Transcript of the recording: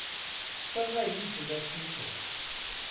分類亦値得思索